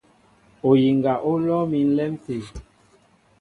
Oyiŋga ó lɔ́ɔ́ mi á ǹlɛ́m tê.